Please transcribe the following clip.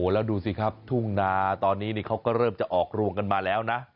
แล้วดูสิครับทุ่งนาตอนนี้เขาก็เริ่มจะออกรวงกันมาแล้วนะ